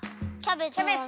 キャベツ！